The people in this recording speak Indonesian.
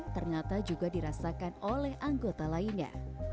ternyata juga dirasakan oleh anggota lainnya